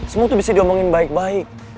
semua tuh bisa diomongin baik baik